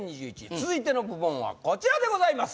続いての部門はこちらでございます